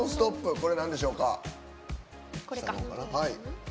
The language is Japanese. これ、なんでしょうか？